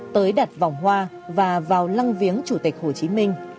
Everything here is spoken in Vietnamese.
tới đặt vòng hoa và vào lăng viếng chủ tịch hồ chí minh